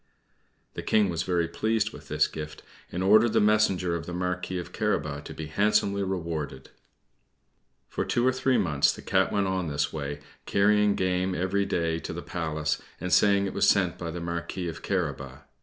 The King was very pleased with this gift, and ordered the messenger of the Marquis of Carabas to be handsomely rewarded. For two or three months the Cat went on in this way, carrying game every day to the Palace, and saying it was sent by the Marquis of Carabas.